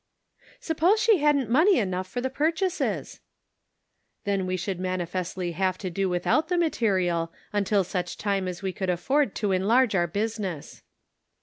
" Suppose she hadn't money enough for the purchases ?"" Then we should manifestly have to do with out the material until such time as we could afford to enlarge our business."